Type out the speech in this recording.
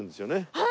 はい！